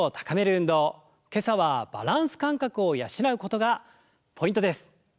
今朝はバランス感覚を養うことがポイントです！